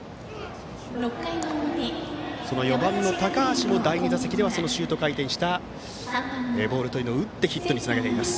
４番の高橋も第２打席ではシュート回転したボールを打って、ヒットにつなげています。